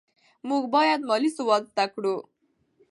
موږ باید مالي سواد زده کړو.